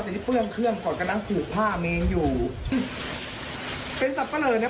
แต่ที่เปื้องเครื่องก่อนกำลังผูกผ้าเมนอยู่เป็นสับปะเลอเนี้ย